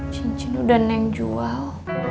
cincin udah neng jual